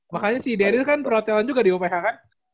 makanya si dedy kan perhotelan juga di uph kan